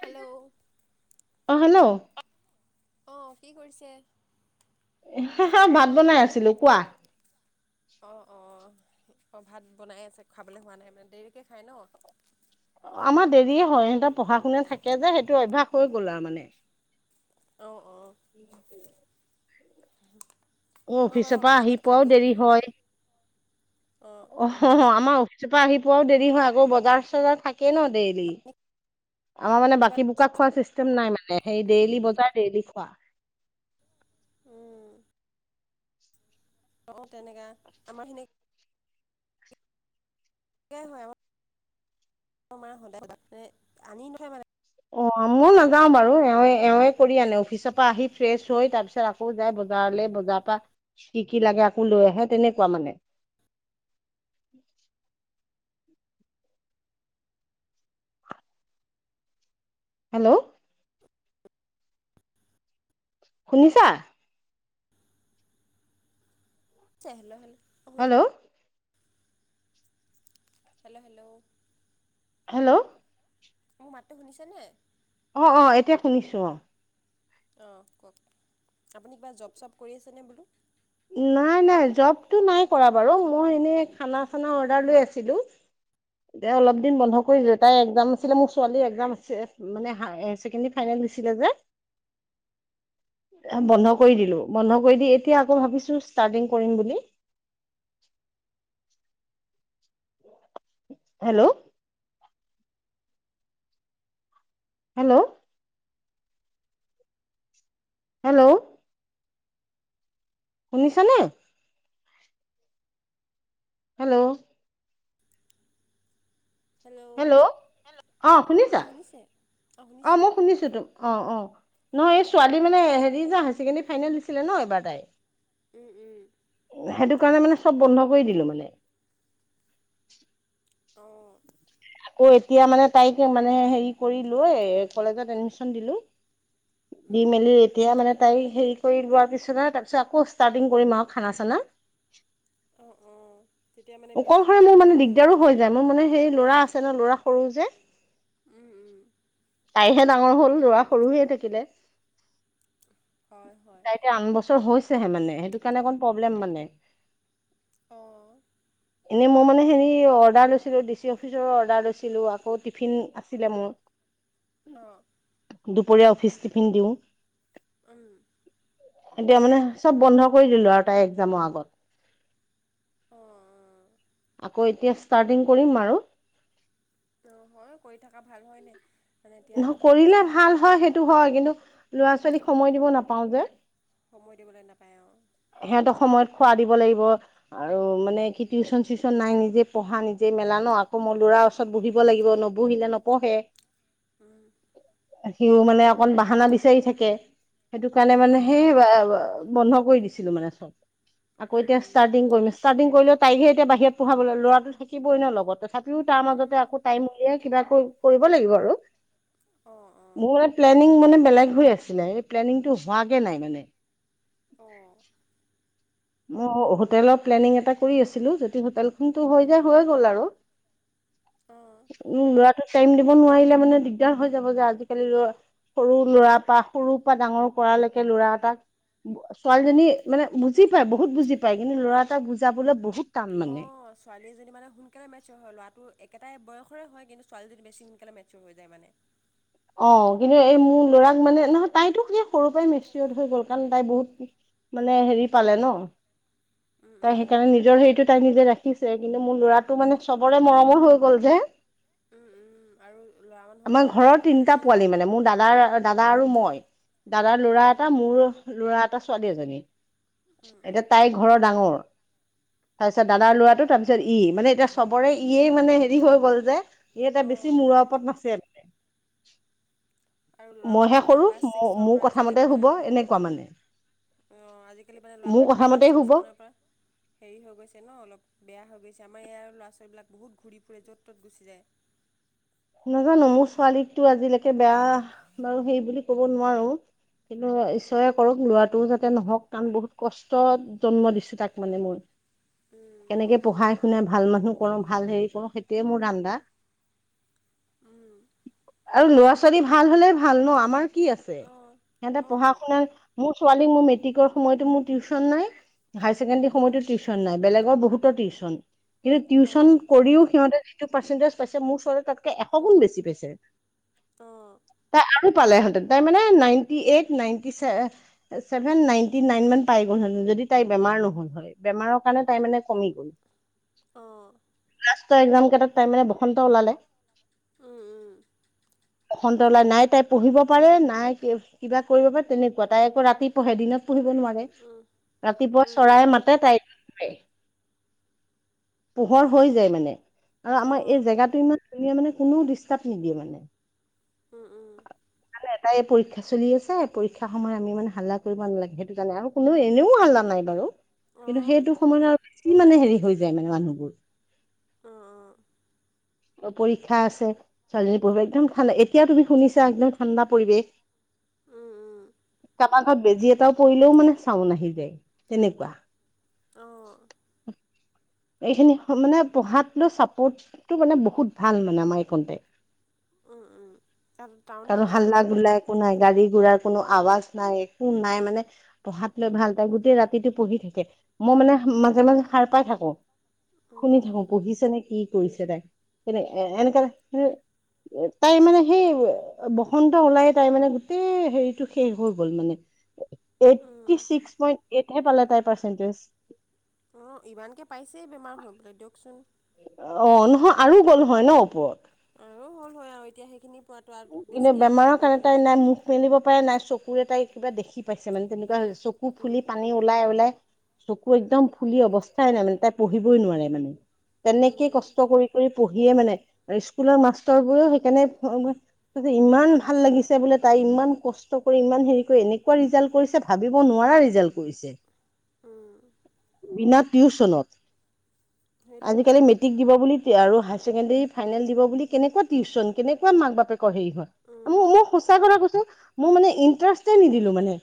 Hello! অ hello অঁ কি কৰিছে? হা হা ভাত হেল্ল' বনাই হেল্ল' আছিলো কোৱা। অঁ অঁ অঁ ভাত বনাই আছে খাবলৈ হোৱা নাই মানে দেৰিকৈ খায় ন। আমাৰ দেৰিয়ে হয় সিহতৰ পঢ়া শুননা থাকে যে সেইটো অভ্যাস হৈ গ'ল আৰু মানে। অ, অ, [inaudible] [unintelligible] মোৰ অফিচৰ পৰা অলপ আহি আগত পোৱাও খালোঁ দেৰি হয় অঁ অ অ আমাৰ অফিচৰ পৰা আহি পোৱাও দেৰি হয় আকৌ বজাৰ চজাৰ থাকেই ন ডেইলি। আমাৰ মানে বাকী বোকা খোৱা চিষ্টেম নাই মানে হে ডেইলি বজাৰ ডেইলি খোৱা। উম অ টেনেকা আমাৰ খিনি। [unintelligible] অ মই নাযাও বাৰু এওঁৱ এওঁৱে কৰি আনে অফিচৰ পৰা আহি ফ্ৰেছ হৈ তাৰপিছত আকৌ যায় বজাৰলৈ বজাৰৰ পৰা কি কি লাগে আকৌ লৈ আহে তেনেকুৱা মানে। হেল্ল', শুনিছা। [unintelligible] হেল্ল', হেল্ল', হেল্ল', হেল্ল', মোৰ মাতটো শুনিছে নে। অ অ এতিয়া শুনিছোঁ অ, অঁ কওক আপুনি কিবা জব চব কৰি আছেনে বোলো। নাই নাই জবটো নাই কৰা বাৰু মই এনে খানা চানা অৰ্ডাৰ লৈ আছিলো। এতিয়া অলপ দিন বন্ধ কৰিছিল তাই একজাম আছিলে মোৰ ছোৱালীৰ এক্সজাম আছে। মানে ছেকেণ্ডে ফাইনেল দিছিলে যে। বন্ধ কৰি দিলো বন্ধ কৰি দি এতিয়া আকৌ ভাবিছো ষ্টাৰ্টিং কৰিম বুলি। হেল্ল', হেল্ল', হেল্ল', শুনিছানে। হেল্ল', হেল্ল' অঁ শুনিছা হেল্ল' শুনিছে অঁ মই শুনিছোঁ তো, অ অ নহয় এই ছোৱালী মানে হেৰি যে হায়াৰ ছেকেণ্ডৰী ফাইনেল দিছিলে ন এবাৰ তাই। উম উম, সেইটো কাৰণে মানে চব বন্ধ কৰি দিলো মানে। অঁ আকৌ এতিয়া মানে তাইকে মানে হেৰি কৰি লৈ কলেজত এডমিশ্যন দিলো। দি অঁ মেলি এতিয়া মানে তাই হেৰি কৰি লোৱাৰ পিছত আৰু তাৰপিছত আকৌ ষ্টাৰ্টিং কৰিম আৰু খানা চানা। অঁ অঁ তেতিয়া মানে বিজি অকলশৰে থকা মোৰ হয় মানে ন দিগদাৰো সেইকেইদিন হৈ যায় মোৰ মানে সেই ল'ৰা আছে ন ল'ৰা সৰু যে, উম উম। তাইহে ডাঙৰ হ'ল ল'ৰা সৰু হৈয়ে থাকিলে। হয় হয় তাইতিয়া আন বছৰ হৈছেহে মানে সেইটো কাৰণে অকণ প্ৰব্লেম মানে। অঁ এনেই মই মানে হেৰি অৰ্ডাৰ লৈছিলোঁ ডি চি অফিচৰ অৰ্ডাৰ লৈছিলোঁ আকৌ টিফিন আছিলে মোৰ। [inaudible] অঁ দুপৰীয়া অফিচ টিফিন দিওঁ। উম এতিয়া মানে চব বন্ধ কৰি দিলো আৰু তাই এক্জামৰ আগত- অঁ অঁ আকৌ এতিয়া ষ্টাৰ্টিং কৰিম আৰু অঁ হয় কৰি থকা ভাল হয়নে। মানে এতিয়া ন ধৰক কৰিলে এনেকৈ ভাল হয় সেইটো হয় কিন্তু ল'ৰা ছোৱালীক সময় দিব নাপাওঁ যে সময় দিবলৈ নাপায়। আৰু সিহঁতৰ সময়ত খোৱা দিব লাগিব। আৰু মানে কি টিউশচন, চিউচন নাই নিজে পঢ়া নিজে মেলা ন মোৰ লৰা ওচৰত বহিব লাগিব নবহিলে ন। উ সিও মানে অকণ বাহানা বিচাৰি থাকে। সেইটো কাৰণে মানে সেই বন্ধ কৰি দিছিলো মানে চব আকৌ উম উম এতিয়াষ্টাৰ্টিং কৰিম ষ্টাৰটিং কৰিলে তাইকহে এতিয়া বাহিৰ পঢ়াব ল'ৰাটো। থাকিবই ন লগত তথাপিও তাৰ উম মাজতে আকৌ টাইম উলিয়াই কিবা কৰিব লাগিব। আৰু অঁ অঁ মোৰ প্লেনিং মানে বেলেগ হৈ আছিলে এই প্লেনিংটো হোৱাকে নাই। মানে অঁ অ হোটেলৰ প্লেনিং এটা কৰি আছিলো যদি হোটেলখনতো হৈ উম যায় হৈ গ'ল। আৰু [inaudible] অঁ উম ল'ৰাটোক টাইম দিব নোৱাৰিলে মানে দিগদাৰ হৈ যাব যে আজিকালি ল'ৰা সৰু ল'ৰা পৰা সৰুৰ পৰা ডাঙৰ কৰালৈকে ল'ৰা এটাক ছোৱালীজনী মানে বুজি পায়। বহুত বুজি পায় কিন্তু ল'ৰা এটাক বুজাবলৈ বহুত টান অ মানে ছোৱালীজনী মানে সোনকালে মেচিওৰ' হয় ল'ৰাটো একেটাই বয়সৰে হয় কিন্তু ছোৱালী যদি বেছি সোনকালে মেচিওৰ হৈ যায়। মানে অ কিন্তু এই মোৰ ল'ৰাক মানে নহয় তাইতো স সৰুৰ পৰাই মেচিওৰ হৈ গ'ল কাৰণ তাই বহুত মানে হেৰি পালে ন উম তাই উম সেইকাৰণে নিজৰ হেৰিটো তাই নিজে ৰাখিছে কিন্তু মোৰ ল'ৰাটো মানে চবৰে মৰমৰ হৈ গল যে উম উম আৰু লৰা মানুহক ধৰক দুটা এই পোৱালি মানে মোৰ দাদাৰ -দাদা আৰু মই দাদাৰ ল'ৰা উম এটা মোৰ ল'ৰা, এটা ছোৱালী, এজনী উম উম এতিয়া তাইৰ ঘৰৰ ডাঙৰ। তাৰপিছত দাদাৰ অঁ ল'ৰাটো তাৰপিছত ই মানে এতিয়া চবৰে ইয়ে মানে হেৰি হৈ গল যে। ই এটা বেছি অঁ মূৰৰ ওপৰত নাচে। আৰু ল'ৰা মানুহ মইহে এতিয়া সৰু ক্লাছ ছিক্সৰ পৰা মোৰ কথা আজিকালি মতে মানে হব ধৰক এনেকুৱা মানে। অঁ আজিকালি মানে মোৰ ল'ৰাবিলাক কথা ক্লাছ মতেই শুব ছিক্সমানৰ পৰা। হেৰি হৈ গৈছে ন অলপ বেয়া হৈ গৈছে আমাৰ ইয়াৰ ল'ৰা ছোৱালীবিলাক বহুত ঘূৰি ফুৰে য'ত ত'ত গুচি যায়। নাজানো মোৰ ছোৱালীকতো আজিলৈকে বেয়া বাৰু সেই বুলি ক'ব নোৱাৰো। কিন্তু ঈশ্বৰে, কৰোক ল'ৰাটোও যাতে নহওক তমান বহুত কষ্টত- জন্ম দিছো তাক মানে মই। উম কেনেকে পঢ়াই শুনাই ভাল মানুহ কৰো ভাল হেৰি কৰো সেইটোৱে মোৰ ধান্দা। উম আৰু ল'ৰা ছোৱালী ভাল হলে ভাল ন আমাৰ কি আছে অঁ সিহঁতে অঁ পঢ়া তো শুনাৰ। মোৰ ছোৱালী মোৰ মেট্ৰিকৰ সময়তো মোৰ টিউচন নাই, হায়াৰ ছেকেণ্ডৰী সময়তো অঁ টিউচন [unintelligible] নাই বেলেগৰ বহুতো টিউচন কিন্তু টিউচন অঁ কৰিও সিহঁতে [unintelligible] [unintelligible] পাৰ্চেণ্টেজ পাইছে মোৰ ছোৱালী তাতকে এশ গুণ বেছি পাইছে। তাই আৰু পালেহেঁতেন। তাই মানে ninety eight, ninety চেভে [unintelligible] seven, ninety nine মান পাই গ'ল যদি তাই বেমাৰ নহল হয়, বেমাৰৰ কাৰণে তাই মানে [unintelligible] কমিল। অঁ [inaudible] লাষ্টৰ একজামকেইটাত তাইৰ মানে বসন্ত ওলালে। [unintelligible] উম-উম। [unintelligible] বসন্ত ওলাই [inaudible] নাই তাই পঢ়িব পাৰে, নাই কিবা কৰিব পাৰে তেনেকুৱা তাই আকৌ ৰাতি পঢ়ে, দিনত পঢ়িব নোৱাৰে। উম [unintelligible] [unintelligible] ৰাতিপুৱা চৰাই উম মাতে তাই শোৱে। পোহৰ হৈ যায় মানে আৰু আমাৰ এই উম জেগাটো ইমান [unintelligible] [unintelligible] তেতিয়া মানে কোনো ডিষ্টাৰ্ব নিদিয়ে মানে। উম-উম। [unintelligible] মানে [unintelligible] এটাই পৰীক্ষা চলি আছে, পৰীক্ষা সময়ত আমি মানে হাল্লা কৰিব নালাগে সেইটো কাৰণে আৰু কোনো এনেও হাল্লা নাই বাৰু। [unintelligible] কিন্তু অঁ সেইটো সময়ত আৰু বেছি মানে হেৰি হৈ যায় মানে মানুহবোৰ। [unintelligible] অঁ [inaudible] পৰীক্ষা আছে [unintelligible] ছোৱালীজনী পঢ়িব একদম ঠাণ্ডা। এতিয়া তুমি শুনিছা একদম ঠাণ্ডা পৰিৱেশ। [unintelligible] উম-উম [unintelligible] কাৰোবাৰ ঘৰত বেজি এটাও পৰিলেও মানে চাউন আহি যায় তেনেকুৱা। [unintelligible] অঁ [inaudible] এইখিনি মানে পঢ়াতো চাপোৰ্ট [unintelligible] ত মানে বহুত ভাল মানে আমাৰ এই কনটে [unintelligible] উম-উম। তাত টাউন কাৰো নেকি হাল্লা আপোনালোকৰ তাত? গোল্লা [unintelligible] একো নাই গাড়ী, ঘোঁৰাৰ কোনো আৱাজ নাই, একো নাই মানে [unintelligible] পঢ়াত লৈ ভাল তাই। গোটেই ৰাতিটো পঢ়ি থাকে। মই মানে মাজে-মাজে সাৰ পাই থাকোঁ [unintelligible] উম শুনি থাকোঁ, পঢ়িছে নে কি কৰিছে তাই। [unintelligible] এনে এনেকে ৰাখি [unintelligible] তাই মানে সেই বসন্ত ওলাইয়ে তাই মানে গোটেই হেৰিটো শেষ হৈ গ'ল মানে। [unintelligible] এইটটি অঁ ছিক্স পইন্ট এইটহে পালে তাইৰ পাৰ্চেন্টেজ। [unintelligible] অঁ! ইমানকে পাইছেই বেমাৰ হৈ পেলাই দিয়ক চোন। [unintelligible] অঁ নহয় আৰু গ'ল হয় ন ওপৰত। [unintelligible] অঁ, হ'ল হয় আৰু এতিয়া সেইখিনি পোৱাটো আৰু কিন্তু বেছিকৈ বেমাৰৰ আশাও কাৰণে কৰিব তাই নোৱাৰি নাই ন। [unintelligible] মুখ মেলিব পাৰে নাই চকুৰে তাই কিবা দেখি পাইছে মানে তেনেকুৱা হৈছে চকু উম, ফুলি পানী ওলাই-ওলাই [unintelligible] চকু একদম ফুলি অৱস্থাই নাই মানে তাই পঢ়িবই নোৱাৰে মানে। [unintelligible] তেনেকেই উম, কষ্ট কৰি-কৰি পঢ়িয়েই মানে আৰু স্কুলৰ মাষ্টৰবোৰেও সেইকাৰণে [unintelligible] [unintelligible] ইমান ভাল লাগিছে বোলে, তাই ইমান কষ্ট কৰি, ইমান হেৰি কৰি এনেকুৱা ৰিজাল্ট কৰিছে। ভাবিব নোৱাৰা ৰিজাল্ট কৰিছে। উম, [inaudible] বিনা টিউচনত [inaudible] সেইটোৱেতো আজিকালি [unintelligible] মেট্ৰিক দিব বুলি আৰু হায়াৰ ছেকেণ্ডেৰী ফাইনেল দিব বুলি কেনেকুৱা টিউচন, কেনেকুৱা মাক-বাপেক [unintelligible] [unintelligible] সেই খন [inaudible] উম, মোৰ মই সঁচা কৈছোঁ মই মানে ইন্টাৰেষ্ট নিদিলো মানে।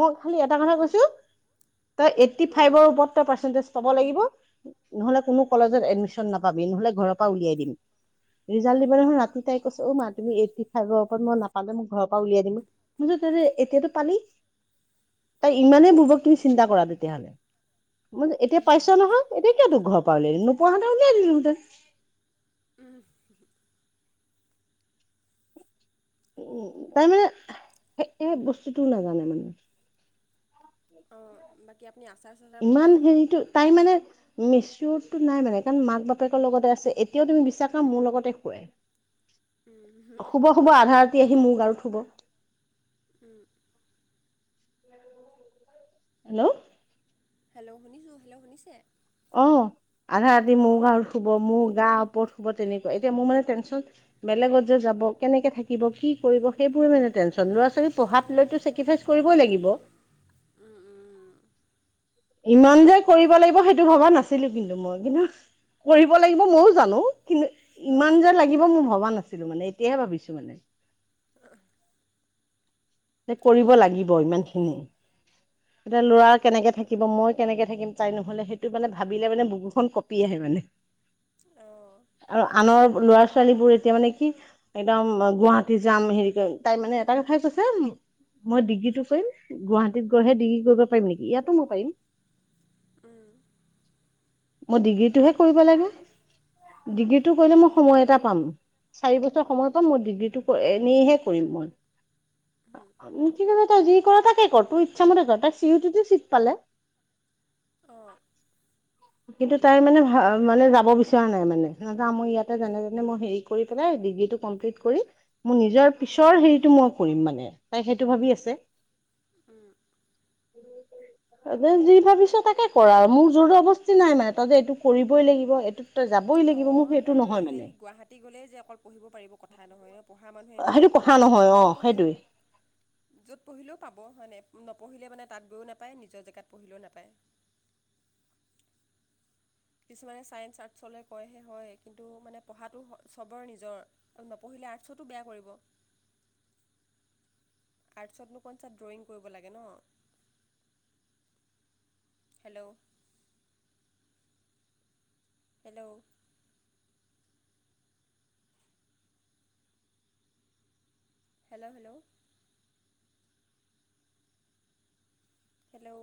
মই খালি এটা কথা কৈছোঁ, তই এইটটি ফাইভৰ ওপৰত তই পাৰ্চেন্টেজ পাব লাগিব [unintelligible] নহ'লে কোনো কলেজত এডমিশ্যন নাপাবি, নহ'লে ঘৰৰ পৰা উলিয়াই দিম। [unintelligible] ৰিজাল্ট দিবৰ দিনাখন ৰাতি তাই কৈছে অ মা [unintelligible] তুমি এইতটি ফাইভৰ ওপৰত মই নাপালে মোক ঘৰৰ পৰা উলিয়াই দিম মই কছো এতিয়াতো পালি। তাই ইমানেই বুৰ্বক তুমি চিন্তা কৰা তেতিয়াহ'লে। মইছো এতিয়া পাইছ নহয় এতিয়া কিয় তোক ঘৰৰ পা ওলিয়াই দিম? নোপোৱাাহাতে উলাই দিলোহোঁতেন। উহ তাই মানে সে বস্তুটো নাজানে মানে। অ বাকী? কি আপুনি আচাৰ চাচাৰ ইমান বনায় ন হেৰিটো তাই মানে মিচুৰদটো নাই মানে, কাৰণ মাক বাপেকৰ লগতে আছে এতিয়াও তুমি বিশ্বাস কৰা মোৰ লগতে শুনে। শুব শুব আধা ৰাতি আহি মোৰ গাৰুত শুব। উম। হেল্ল', হেল্ল' শুনিছোঁ, হেল্ল' শুনিছে? অঁ আধা ৰাতি অঁ মোৰ অঁ গাঁৰুত শুব, মোৰ গা ওপৰত শুব তেনেকুৱা, এতিয়া মোৰ মানে টেনশচন বেলেগত যে যাব, কেনেকে থাকিব, কি কৰিব? সেইবোৰে মানে তেনচন লৰা ছোবালী পঢ়াত লৈ চেকৰিফাইচ কৰিব লাগিব। উম, উম, ইমান যে কৰিব লাগিব, সেইটো ভবা নাছিলো কিন্তু মই কিন্তু কৰিব লাগিব ময়ো জানো, কিন্তু অঁ ইমান যে লাগিব মোও ভবা নাছিলো মানে এতিয়াহে ভাবিছো মানে। অহ কৰিব লাগিব ইমানখিনি। এতিয়া ল'ৰা কেনেকে থাকিব মই কেনেকে থাকিম, তাই নহ'লে সেইটো মানে ভাবিলে মানে বুকুখন কঁপি আহে মানে। [inaudible] অ, আৰু আনৰ ল'ৰা- ছোৱালী বোৰ এতিয়া মানে কি? একদম গুৱাহাটী যাম, হেৰি কয় তাই মানে এটা কথাই কৈছে মই ডিগ্ৰীতটো কৰিম গুৱাহাটীত গৈহে ডিগ্ৰী কৰিব পাৰিম নেকি? ইয়াতো মই পাৰিম। উম। মই ডিগ্ৰীটোহে কৰিব লাগে। ডিগ্ৰীটো কৰিলে মই অঁ সময় এটা পাম। চাৰি বছৰ সময় পাম মই ডিগ্ৰীটো এনেইহে কৰিম মই উ কি কৈছে তই যি কৰ তাকে কৰ, তোৰ ইচ্ছা মতে য, তাই চিইউতিটো চিট পালে। অঁ। কিন্তু তাই মানে ভা মানে যাব বিচৰা নাই মানে, নাযায় মই ইয়াতে যেনে যেনে মই হেৰি। কৰি পেলাই ডিগ্ৰীটো কমপ্লিত কৰি, মোৰ নিজৰ পিছৰ হেৰিটো মই কৰিম মানে তাই সেইটো ভাবি আছে। উম। যে যি ভাবিছ তাকে কৰা আও, মোৰ জোৰ জৱস তি নাই মানে, তই যে এইটো কৰিবই লাগিব, এইটো তই যাবই লাগিব মোৰ সেইটো নহয় মানে। তি গ'লেই যে অকল পঢ়িব পাৰিব কথা নহয়। পঢ়া মানুহে এনো সেইটো ইয়াত কথা পঢিও মানে নহয় অ য'তো পঢ়িও সেইটোৱে য'ত পঢ়িলেও পাব হয় নে? নপঢ়িলে মানে তাত গৈও নাপায় নিজৰ জেগাত পঢ়িলেও নাপায়। কিছুমানে ছায়ন্স আৰ্টছলে কয়হে হয় কিন্তু নে পঢ়াটো চবৰে নিজৰ। অ নপঢ়িলে আৰ্টছতো বেয়া কৰিব। আৰ্টছতনো কনচা ড্ৰয়িং কৰিব লাগে ন? Hello. Hello. Hello hello. Hello